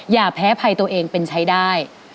อย่าแพ้ภัยตัวเองเป็นใช้ได้